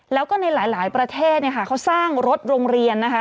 แล้วก็ในหลายประเทศเนี่ยค่ะเขาสร้างรถโรงเรียนนะคะ